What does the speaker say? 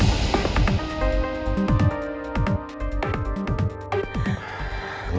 tidak pak bos